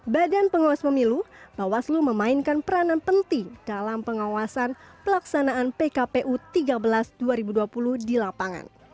badan pengawas pemilu bawaslu memainkan peranan penting dalam pengawasan pelaksanaan pkpu tiga belas dua ribu dua puluh di lapangan